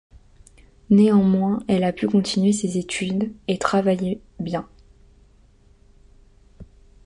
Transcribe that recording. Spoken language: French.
Néanmoins, elle a pu continuer ses études et travaillait bien.